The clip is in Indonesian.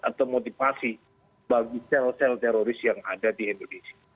atau motivasi bagi sel sel teroris yang ada di indonesia